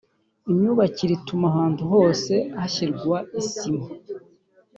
Imyubakire ituma ahantu hose hashyirwa isima